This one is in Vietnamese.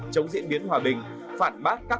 chống diễn biến hòa bình phản bác các